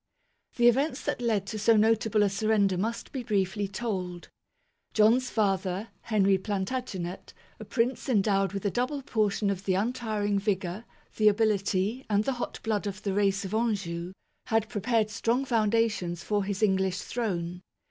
The events that led to so notable a surrender must be briefly told. John's father, Henry Planta genet, a prince endowed with a double portion of the . untiring vigour, the ability, and the hot blood of the race of Anjou, had prepared strong foundations for his English throne.